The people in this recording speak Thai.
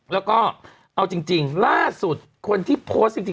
แล้วก็เอาจริงล่าสุดคนที่โพสต์จริง